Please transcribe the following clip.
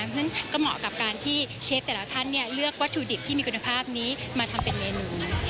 เพราะฉะนั้นก็เหมาะกับการที่เชฟแต่ละท่านเลือกวัตถุดิบที่มีคุณภาพนี้มาทำเป็นเมนู